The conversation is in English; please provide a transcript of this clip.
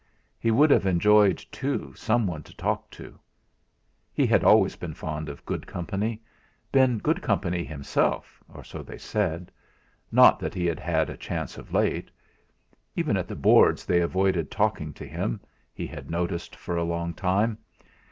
He would have enjoyed, too, someone to talk to. He had always been fond of good company been good company himself, or so they said not that he had had a chance of late. Even at the Boards they avoided talking to him, he had noticed for a long time.